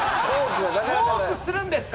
トークするんですか？